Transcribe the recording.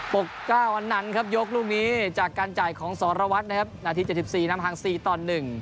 ๔บกจ้าวอันนั้นครับยกลุ่มนี้จากการจ่ายของสารวัฏนะครับอาทิตย์จด๑๔น้ำห่าง๔ตอนหนึ่ง